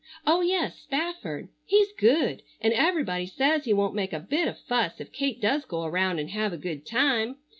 Oh, yes, Spafford. He's good, and everybody says he won't make a bit of fuss if Kate does go around and have a good time.